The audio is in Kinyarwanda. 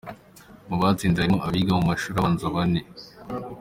Mu batsinze harimo abiga mu mashuri abanza bane.